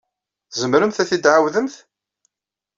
Tzemremt ad t-id-tɛawdemt?